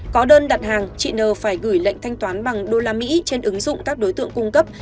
có đơn đặt hàng chị n phải gửi lệnh thanh toán bằng usd trên ứng dụng các đối tượng cung cấp